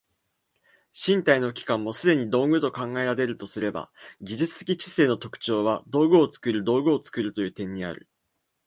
身体の器官もすでに道具と考えられるとすれば、技術的知性の特徴は道具を作る道具を作るという点にある。